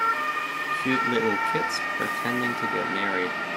Cute little kids pretending to get married